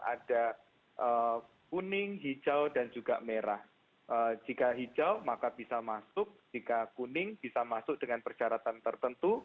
ada kuning hijau dan juga merah jika hijau maka bisa masuk jika kuning bisa masuk dengan persyaratan tertentu